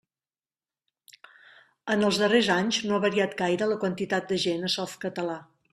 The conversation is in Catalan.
En els darrers anys no ha variat gaire la quantitat de gent a Softcatalà.